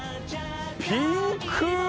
ピンク！